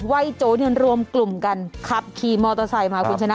วัยโจ๊เนี่ยรวมกลุ่มกันขับขี่มอเตอร์ไซค์มาคุณชนะ